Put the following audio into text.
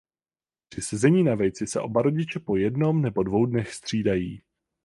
Při sezení na vejci se oba rodiče po jednom nebo dvou dnech střídají.